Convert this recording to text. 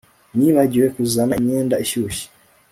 Nibagiwe kuzana imyenda ishyushye